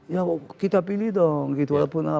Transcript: ya kita pilih dong gitu